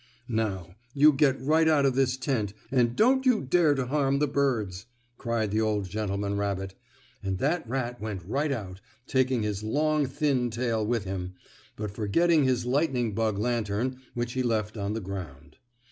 "Now, you get right out of this tent, and don't you dare to harm the birds!" cried the old gentleman rabbit, and that rat went right out, taking his long thin tail with him, but forgetting his lightning bug lantern, which he left on the ground.